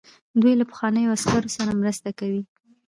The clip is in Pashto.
دوی له پخوانیو عسکرو سره مرسته کوي.